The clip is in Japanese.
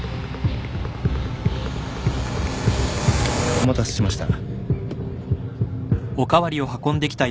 お待たせしました。